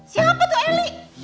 siapa tuh eli